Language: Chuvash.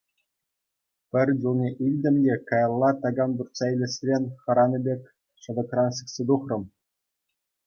Пӗр чулне илтӗм те каялла такам туртса илесрен хӑранӑ пек шӑтӑкран сиксе тухрӑм.